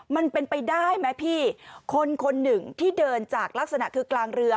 มันเป็นไปได้ไหมพี่คนคนหนึ่งที่เดินจากลักษณะคือกลางเรือ